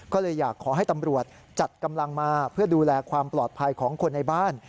ก็เลยอยากขอให้ตำรวจจัดกำลังมาเพื่อดูแลความปลอดภัยของคนในบ้าน